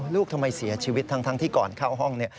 ลูกทำไมเสียชีวิตทั้งที่ก่อนเข้าห้อง